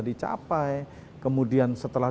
dicapai kemudian setelah